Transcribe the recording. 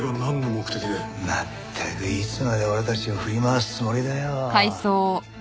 まったくいつまで俺たちを振り回すつもりだよ。